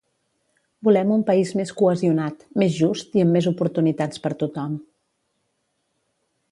Volem un país més cohesionat, més just i amb més oportunitats per tothom.